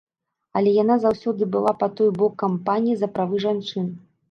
Але яна заўсёды была па той бок кампаній за правы жанчын.